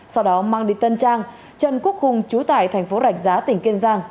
sau đó mang đi tân trang trần quốc hùng chú tại thành phố rạch giá tỉnh kiên giang